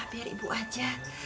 biar ibu aja